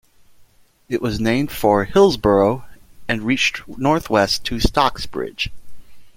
It was named for Hillsborough and reached north west to Stocksbridge.